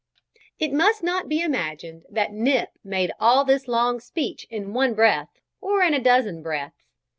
It must not be imagined that Nip made all this long speech in one breath, or in a dozen breaths.